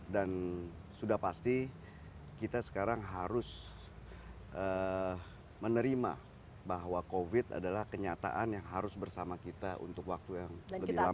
dan sudah pasti kita sekarang harus menerima bahwa covid sembilan belas adalah kenyataan yang harus bersama kita untuk waktu yang lebih lama lagi